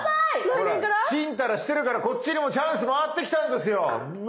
来年から⁉チンタラしてるからこっちにもチャンス回ってきたんですよ無期限！